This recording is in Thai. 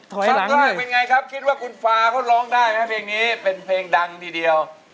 หลังแรกเป็นไงครับคิดว่าคุณฟ้าเขาร้องได้ไหมเพลงนี้เป็นเพลงดังทีเดียว